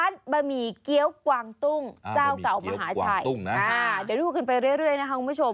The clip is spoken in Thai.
เดี๋ยวดูขึ้นไปเรื่อยนะคะคุณผู้ชม